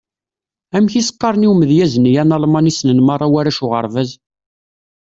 Amek i s-qqaren i umedyaz-nni analman i ssnen merra warrac uɣerbaz?